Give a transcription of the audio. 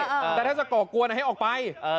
แต่ถ้าจะก่อกวนให้ออกไป